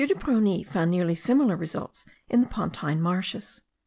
de Prony found nearly similar results in the Pontine marshes.